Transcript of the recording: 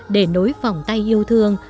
để nối phòng tay yêu thương